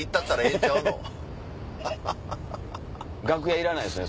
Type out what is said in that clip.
楽屋いらないですよね